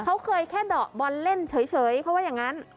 เขาเคยแค่ด๋อบอลเล่นเฉยเฉยเพราะว่าอย่างงั้น